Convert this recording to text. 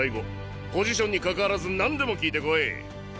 ポジションにかかわらず何でも聞いてこい。